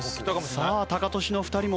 さあタカトシの２人も。